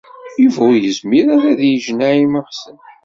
Yuba ur yezmir ara ad yeǧǧ Naɛima u Ḥsen.